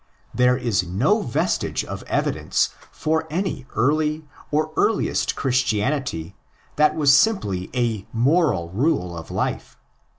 '' There is no vestige of evidence for any early or earliest Christianity that was simply a moral rule of life.